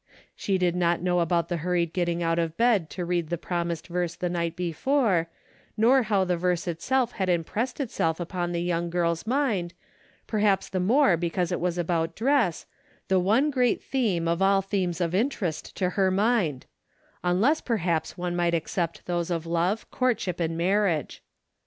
She did not know about the hurried getting out of bed to read the promised verse the night before, nor how the verse itself had impressed itself upon the young girl's mind, perhaps the more be cause it was about dress, the one great theme of all themes of interest to her mind, — unless perhaps one might except those of love, court ship and marriage.